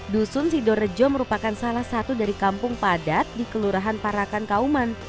dusun sidorejo merupakan salah satu dari kampung padat di kelurahan parakan kauman